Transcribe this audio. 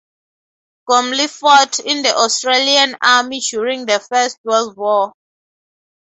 Gormley fought in the Australian Army during the first world war.